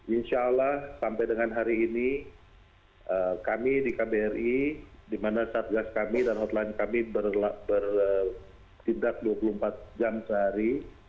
insya allah sampai dengan hari ini kami di kbri di mana satgas kami dan hotline kami bertindak dua puluh empat jam sehari